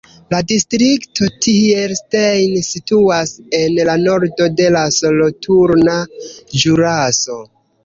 La distrikto Thierstein situas en la nordo de la Soloturna Ĵuraso.